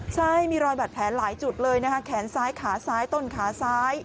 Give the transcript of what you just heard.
ใช่มีรอยบาดแผลหลายจุดเลยนะคะแขนซ้ายขาซ้ายต้นขาซ้าย